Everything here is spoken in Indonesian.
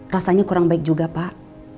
rasanya kurang baik juga pak